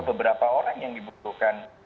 beberapa orang yang dibutuhkan